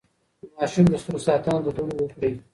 د ماشوم د سترګو ساتنه له دوړو وکړئ.